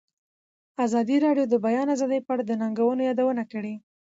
ازادي راډیو د د بیان آزادي په اړه د ننګونو یادونه کړې.